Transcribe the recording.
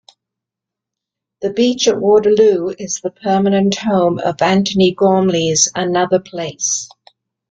The beach at Waterloo is the permanent home of Antony Gormley's "Another Place".